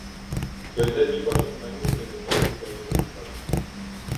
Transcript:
Когда экипаж остановился, верховые поехали шагом.